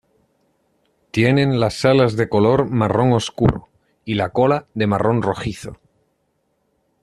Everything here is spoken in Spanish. Tienen las alas de color marrón oscuro y la cola de marrón rojizo.